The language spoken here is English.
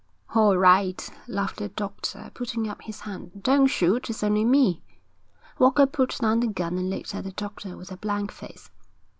'All right!' laughed the doctor, putting up his hand. 'Don't shoot. It's only me.' Walker put down the gun and looked at the doctor with a blank face.